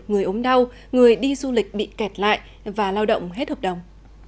người ốm đau người đi du lịch bị kẹt lại và lao động hết hợp đồng